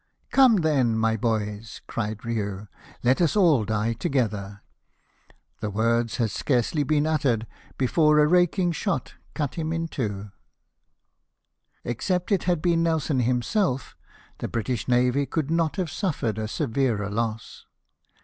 " Come then, my boys !" cried Riou, " let us die all together !" The words had scarcely been uttered, before a raking shot cut him in two. 234 LIFE OF NELSON. Except it had been Nelson himself, the British navy could not have suffered a severer loss.